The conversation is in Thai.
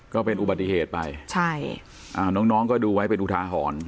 ก็เป็นอุบัติเหตุไปใช่อ่าน้องน้องก็ดูไว้เป็นอุทาหรณ์